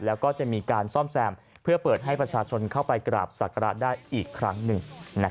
แล้วก็จะมีการซ่อมแซมเพื่อเปิดให้ประชาชนเข้าไปกราบศักระได้อีกครั้งหนึ่ง